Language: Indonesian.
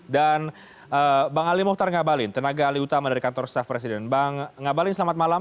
dan bang ali mohtar ngabalin tenaga alih utama dari kantor staff presiden bang ngabalin selamat malam